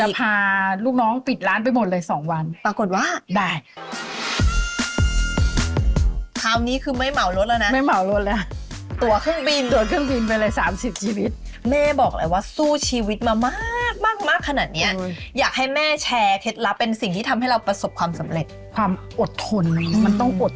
จะพาลูกน้องปิดร้านไปหมดเลยสองวัน